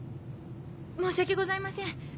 申し訳ございません。